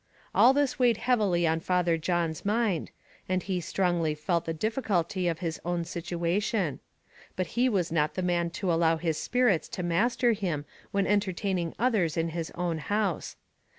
All this weighed heavily on Father John's mind, and he strongly felt the difficulty of his own situation; but he was not the man to allow his spirits to master him when entertaining others in his own house.